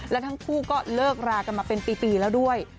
และทั้งคู่ก็เลิกรากันมาเป็นปีแล้วด้วย